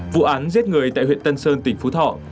vụ án giết người tại huyện tân sơn tỉnh phú thọ